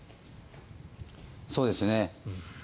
そうですね。